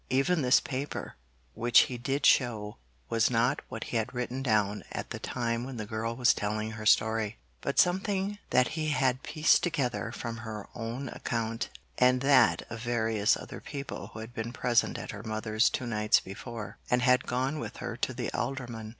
Even this paper which he did show was not what he had written down at the time when the girl was telling her story, but something that he had pieced together from her own account and that of various other people who had been present at her mother's two nights before, and had gone with her to the Alderman.